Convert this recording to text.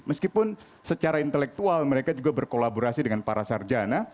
meskipun secara intelektual mereka juga berkolaborasi dengan para sarjana